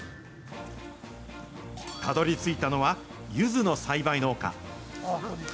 たどりついたのは、ゆずの栽培農家。